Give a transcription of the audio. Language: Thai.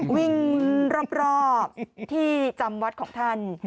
วิ่งรอบที่จำวัดของท่าน